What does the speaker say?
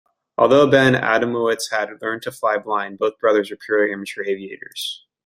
Although Ben Adamowicz had learned to fly blind, both brothers were purely amateur aviators.